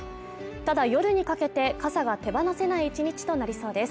ただ夜にかけて傘が手放せない１日となりそうです。